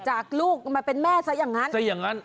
จากลูกมาเป็นแม่ซะอย่างนั้น